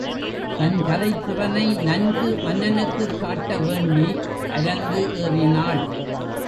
தன் கலைத் திறனை நன்கு மன்னனுக்குக் காட்ட வேண்டி அரங்கு ஏறினாள்.